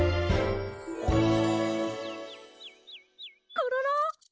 コロロ！